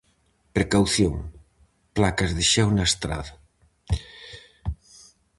Precaución! Placas de xeo na estrada.